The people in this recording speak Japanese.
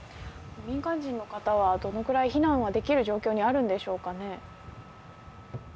民間人の方はどれくらい避難できる状況にあるんでしょうかね。